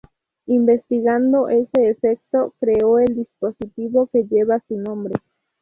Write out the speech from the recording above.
Investigando ese efecto, creó el dispositivo que lleva su nombre.